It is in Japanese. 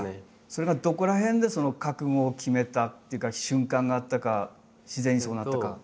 それがどこら辺で覚悟を決めたっていうか瞬間があったか自然にそうなったか。